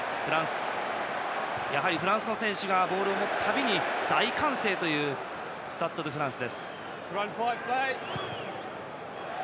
やはりフランスの選手がボールを持つたびに大歓声というスタッド・ド・フランス。